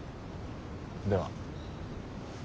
では。